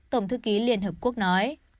tổng thư ký liên hợp quốc nói